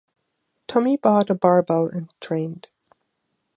Tommy bought a barbell and trained.